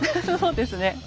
そうですね。